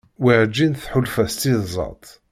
Werǧin tḥulfa s tiẓeṭ.